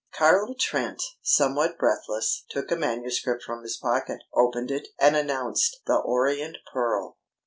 Carlo Trent, somewhat breathless, took a manuscript from his pocket, opened it, and announced: "The Orient Pearl."